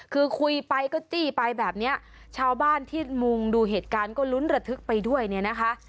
คือคุยไปก็จี้ไปแบบเนี้ยชาวบ้านที่มุงดูเหตุการณ์ก็ลุ้นระทึกไปด้วยเนี่ยนะคะ